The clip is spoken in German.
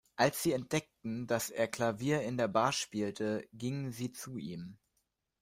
Als sie entdeckten, dass er Klavier in der Bar spielte, gingen sie zu ihm.